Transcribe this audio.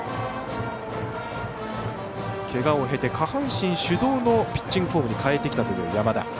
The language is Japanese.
けがを経て、下半身主動のピッチングフォームに変えてきたという山田。